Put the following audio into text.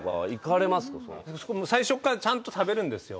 最初からちゃんと食べるんですよ。